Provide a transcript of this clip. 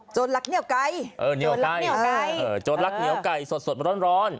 รักเหนียวไก่เออเหนียวไก่โจรรักเหนียวไก่สดร้อน